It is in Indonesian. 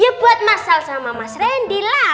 ya buat masal sama mas randy lah